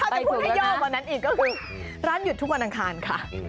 ไปถูกแล้วกันคะถ้าจะพูดให้ย่อมกว่านั้นอีกก็คือร้านหยุดทุกวันอังคารค่ะ